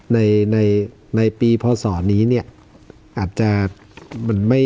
ในปีพศนี้เนี่ยอาจจะ